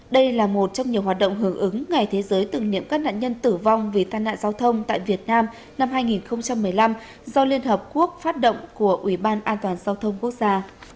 đây là một trong nhiều hoạt động hưởng ứng ngày thế giới tưởng niệm các nạn nhân tử vong vì tai nạn giao thông tại việt nam năm hai nghìn một mươi năm do liên hợp quốc phát động của ủy ban an toàn giao thông quốc gia